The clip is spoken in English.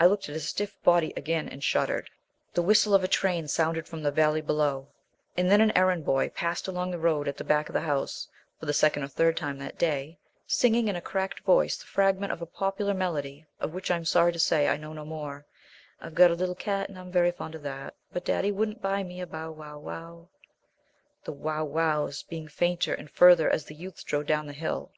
I looked at his stiff body again and shuddered. The whistle of a train sounded from the valley below, and then an errand boy passed along the road at the back of the house (for the second or third time that day) singing in a cracked voice the fragment of a popular melody, of which I am sorry to say I know no more "I've got a little cat, And I'm very fond of that; But daddy wouldn't buy me a bow, wow, wow;" the wow wows becoming fainter and further as the youth strode down the hill.